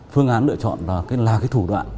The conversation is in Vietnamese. phương án lựa chọn là cái thủ đoạn